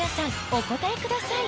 お答えください